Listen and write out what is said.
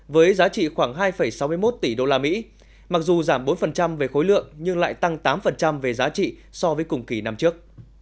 với giá trị khoảng hai sáu mươi một tỷ usd mặc dù giảm bốn về khối lượng nhưng lại tăng tám về giá trị so với cùng kỳ năm trước